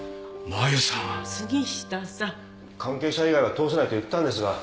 関係者以外は通せないと言ったんですが。